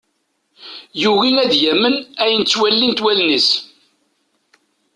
Yugi ad yamen ayen ttwalint wallen-is.